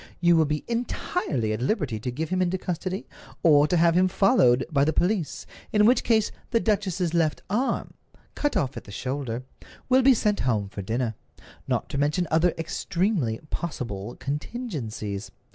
You will be entirely at liberty to give him into custody, or to have him followed by the police, in which case the duchess's left arm, cut off at the shoulder, will be sent home for dinner—not to mention other extremely possible contingencies.